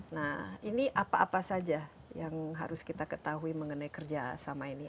nah ini apa apa saja yang harus kita ketahui mengenai kerjasama ini